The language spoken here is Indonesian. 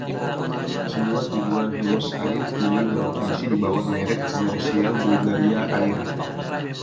Semua tujuan Hemus Air kini beroperasi di bawah merek komersial Bulgaria Air.